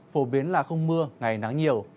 phổ biến là không mưa ngày nắng nhiều